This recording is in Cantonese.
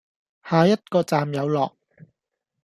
下一個站有落